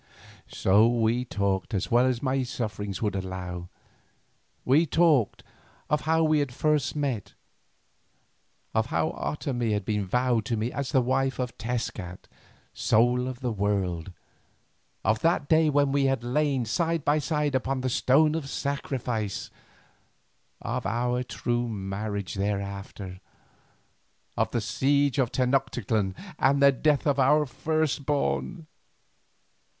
So we talked as well as my sufferings would allow. We talked of how we first had met, of how Otomie had been vowed to me as the wife of Tezcat, Soul of the World, of that day when we had lain side by side upon the stone of sacrifice, of our true marriage thereafter, of the siege of Tenoctitlan and the death of our first born.